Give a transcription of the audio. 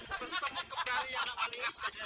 ketemu kembali yang paling enak